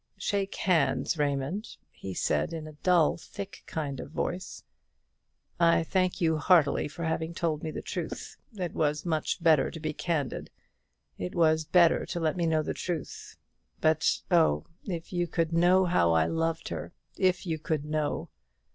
"Shake hands, Raymond," he said, in a dull, thick kind of voice; "I thank you heartily for having told me the truth; it was much better to be candid; it was better to let me know the truth. But, oh, if you could know how I loved her if you could know!